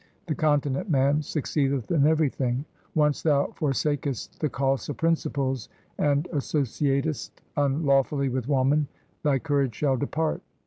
The continent man succeedeth in everything. Once thou forsakest the Khalsa principles and associatest un lawfully with woman, thy courage shall depart.'